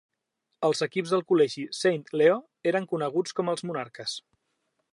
Els equips del Col·legi Saint Leo eren coneguts com els Monarques.